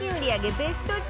ベスト１０